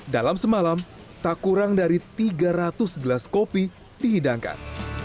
dalam semalam tak kurang dari tiga ratus gelas kopi dihidangkan